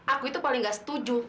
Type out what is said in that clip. aku itu paling gak setuju